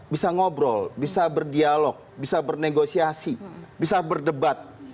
bisa ngobrol bisa berdialog bisa bernegosiasi bisa berdebat